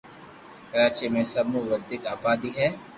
ڪراچي ۾ سب مون وديڪ آبادي ھي